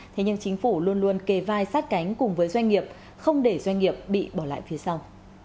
thế nhưng chính phủ luôn luôn kề vai sát cánh cùng với doanh nghiệp không để doanh nghiệp bị bỏ lại phía sau